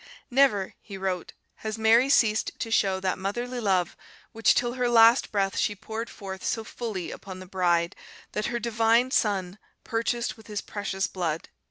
"Never," he wrote, "has Mary ceased to show that motherly love which till her last breath she poured forth so fully upon the bride that her divine Son purchased with His precious blood.